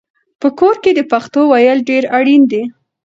په کور کې د پښتو ویل ډېر اړین دي.